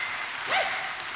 はい！